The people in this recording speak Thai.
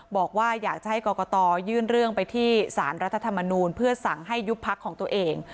บอกว่าอยากจะให้กรกตยื่นเรื่องไปที่สารรัฐธรรมนูลเพื่อสั่งให้ยุบพักของตัวเอง